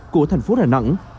của thành phố đà nẵng